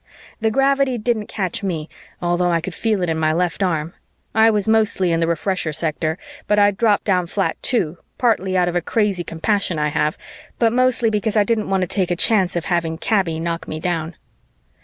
The gravity didn't catch me, although I could feel it in my left arm. I was mostly in the Refresher sector, but I dropped down flat too, partly out of a crazy compassion I have, but mostly because I didn't want to take a chance of having Kaby knock me down.